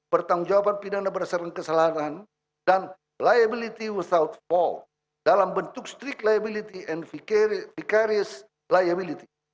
pertanggungjawaban pidana berdasarkan kesalahan dan liability without fault dalam bentuk strict liability and vicarious liability